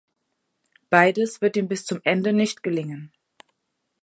Beides wird ihm bis zum Ende nicht gelingen.